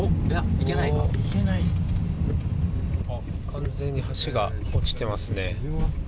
完全に橋が落ちてますね。